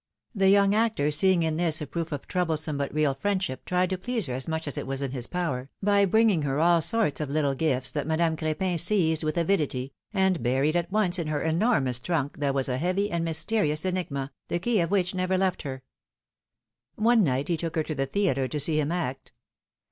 The young actor seeing in this a proof of troublesome but real friendship, tried to please her as much as it was in his power, by bringing her all sorts of little gifts that Madame Cr^pin seized with avidity, and buried at once in her enormous 212 philomIjne's marriages. trunk, that was a heavy and mysterious enigma, the key of which never left her. One night he took her to the theatre to see him act.